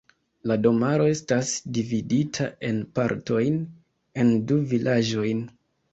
La domaro estas dividita en partojn en du vilaĝojn.